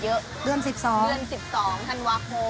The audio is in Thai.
เลื่อน๑๒เดือน๑๒ธันวาคม